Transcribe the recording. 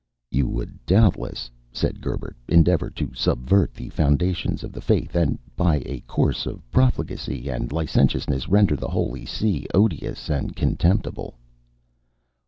"You would doubtless," said Gerbert, "endeavour to subvert the foundations of the Faith, and, by a course of profligacy and licentiousness, render the Holy See odious and contemptible."